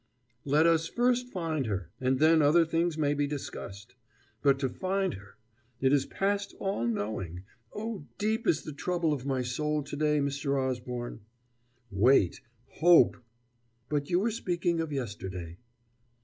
"Let us first find her! and then other things may be discussed. But to find her! it is past all knowing Oh, deep is the trouble of my soul to day, Mr. Osborne!" "Wait hope " "But you were speaking of yesterday."